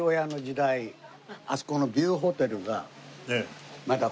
あそこのビューホテルがまだ国際劇場。